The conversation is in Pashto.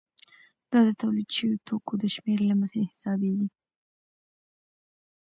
دا د تولید شویو توکو د شمېر له مخې حسابېږي